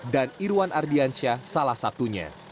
dan irwan ardiansyah salah satunya